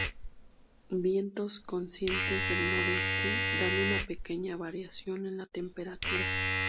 Vientos consistentes del noreste dan una pequeña variación en la temperatura.